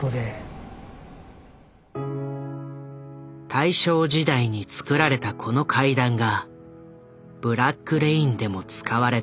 大正時代に造られたこの階段が「ブラック・レイン」でも使われた。